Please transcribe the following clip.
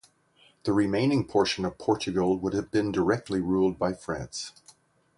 The remaining portion of Portugal would have been directly ruled by France.